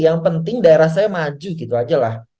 yang penting daerah saya maju gitu aja lah